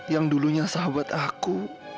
yang dulunya sahabat aku